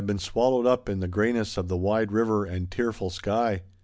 113 swallowed up in the greyness of the wide river and tearful sky.